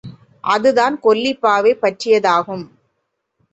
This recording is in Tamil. அதுதான் கொல்லிப் பாவை பற்றியதாகும்.